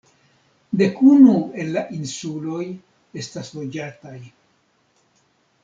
Dekunu el la insuloj estas loĝataj.